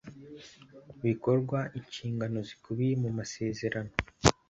bikorwa inshingano zikubiye mu masezerano